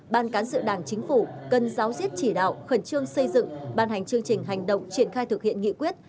ban cán sự đảng chính phủ cần giáo diết chỉ đạo khẩn trương xây dựng ban hành chương trình hành động triển khai thực hiện nghị quyết